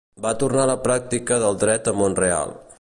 Va tornar a la pràctica del dret a Mont-real.